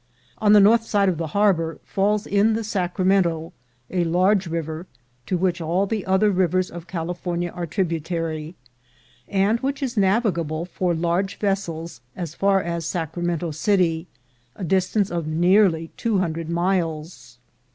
On the north side of the harbor falls in the Sacra mento, a large river, to which all the other rivers of California are tributary, and which is navigable for large vessels as far as Sacramento city, a distance of nearly two hundred miles.